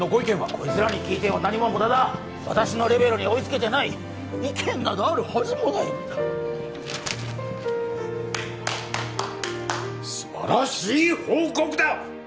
こいつらに聞いても何も無駄だ私のレベルに追いつけてない意見などあるはずもない素晴らしい報告だ